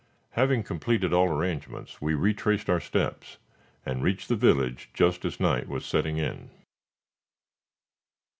Having completed all arrangements, we retraced our steps, and reached the village just as night was setting in.